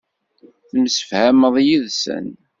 Temsefhameḍ yid-sen.